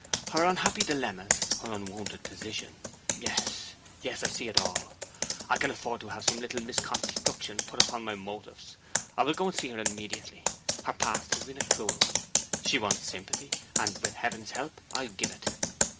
Her unhappy dilemmas her unwonted position yes, yes I see it all! I can afford to have some little misconstruction put upon my motives. I will go and see her immediately. Her past has been a cruel one; she wants sympathy; and with Heaven's help I'll give it.'